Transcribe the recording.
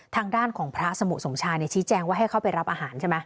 ทางด้านของพระสมุสมชายชี้แจงว่าให้เข้าไปรับอาหารใช่ไหม